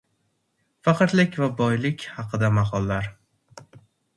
Faqirlik va boylik haqida maqollar.